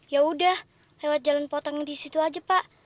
ya udah lewat jalan potong di situ aja pak